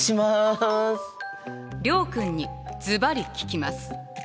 諒君にずばり聞きます。